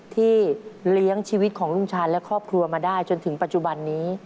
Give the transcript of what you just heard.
เลี้ยงชีวิตของลุงชาญและครอบครัวมาได้จนถึงปัจจุบันนี้